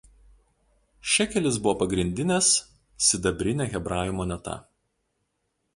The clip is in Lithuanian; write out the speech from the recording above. Šekelis buvo pagrindinės sidabrinė hebrajų moneta.